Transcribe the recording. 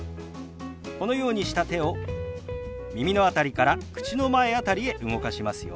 このようにした手を耳の辺りから口の前辺りへ動かしますよ。